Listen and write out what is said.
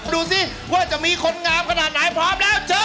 ดูสิว่าจะมีคนงามขนาดไหนพร้อมแล้วเชิญ